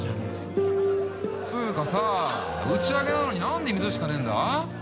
っつうかさ打ち上げなのに何で水しかねえんだ？